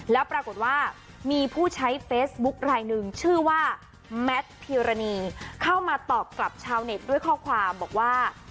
แล้วปรากฏว่ามีผู้ใช้เฟซบุ๊คลายหนึ่งชื่อว่าแมทพิรณีเข้ามาตอบกลับชาวเน็ตด้วยข้อความบอกว่า